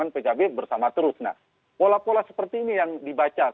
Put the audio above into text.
nah pola pola seperti ini yang dibaca